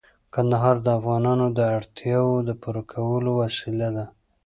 کندهار د افغانانو د اړتیاوو د پوره کولو وسیله ده.